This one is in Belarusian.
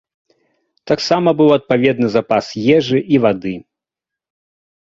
Таксама быў адпаведны запас ежы і вады.